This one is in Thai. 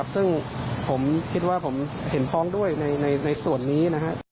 ซึ่งผมคิดว่าผมเห็นพ้องด้วยในส่วนนี้นะครับ